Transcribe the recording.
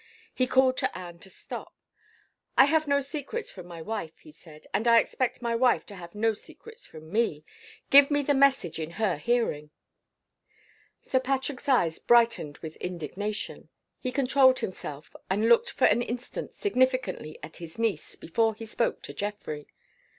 He called to Anne to stop. "I have no secrets from my wife," he said. "And I expect my wife to have no secrets from me. Give me the message in her hearing." Sir Patrick's eyes brightened with indignation. He controlled himself, and looked for an instant significantly at his niece before he spoke to Geoffrey.